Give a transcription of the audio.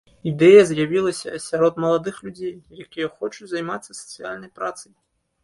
Ідэя з'явілася сярод маладых людзей, якія хочуць займацца сацыяльнай працай.